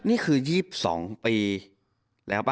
นี่คือ๒๒ปีแล้วป่